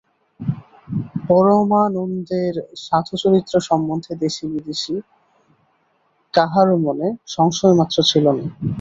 পরমানন্দের সাধুচরিত্র সম্বন্ধে দেশবিদেশে কাহারো মনে সংশয়মাত্র ছিল না।